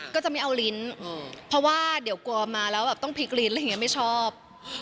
ก็จะไม่เอาลิ้นเพราะว่าเดี๋ยวกลัวมาแล้วแบบต้องพลิกลิ้นอะไรอย่างนี้ไม่ชอบ